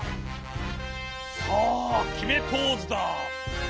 さあきめポーズだ。